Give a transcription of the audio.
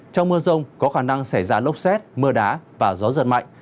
trong mưa rông có khả năng xảy ra lốc xét mưa đá và gió giật mạnh